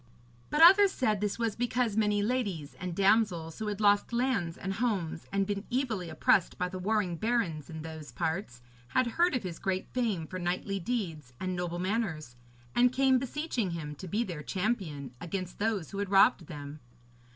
But others said this was because many ladies and damsels, who had lost lands and homes and been evilly oppressed by the warring barons in those parts, had heard of his great fame for knightly deeds and noble manners, and came beseeching him to be their champion against those who had robbed them.